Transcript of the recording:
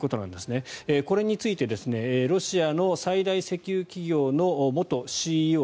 これについて、ロシアの最大石油企業の元ＣＥＯです。